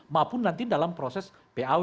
maupun nanti dalam proses pau